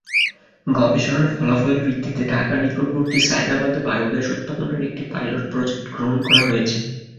গবেষণার ফলাফলের ভিত্তিতে ঢাকার নিকটবর্তী সায়েদাবাদে বায়োগ্যাস উৎপাদনের একটি পাইলট প্রজেক্ট গ্রহণ করা হয়েছে।